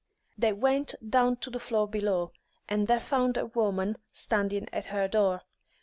They went down to the floor below, and there found a woman standing at her door.